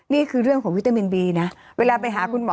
นี่คือเรื่องของวิตามินบีนะเวลาไปหาคุณหมอ